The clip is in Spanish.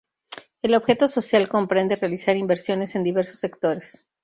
El objeto social comprende realizar inversiones en diversos sectores.